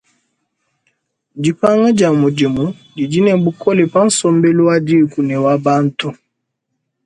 Dipanga dia mudimu didi ne bukole pa nsombelu wa dîku ne wa bantu.